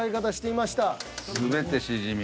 全てシジミ。